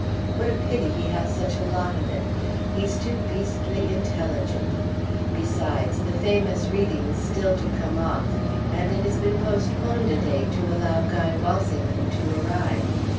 What a pity he has such a lot of it! He's too beastly intelligent. Besides, the famous reading's still to come off, and it has been postponed a day to allow Guy Walsingham to arrive.